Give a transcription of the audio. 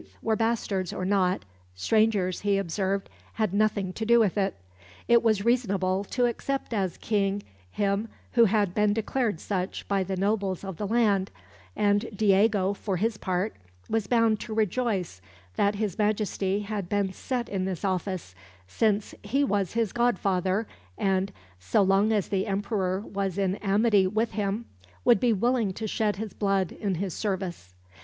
were bastards or not, strangers, he observed, had nothing to do. It was reasonable to accept as King him who had been declared such by the nobles of the land; and Diego, for his part, was bound to rejoice that His Majesty had been set in this office, since he was his godfather, and so long as the Emperor was in amity with him would be willing to shed his blood in his service.